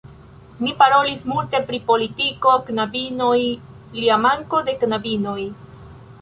Ni parolis multe pri politiko, knabinoj, lia manko de knabinoj